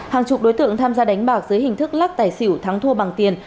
hàng chục đối tượng tham gia đánh bạc dưới hình thức lắc tài xỉu thắng thua bằng tiền